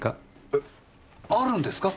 えっあるんですか！？